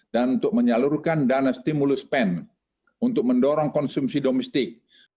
dan untuk menyalurkan dana stimulus pen untuk mendorong konsumsi domestik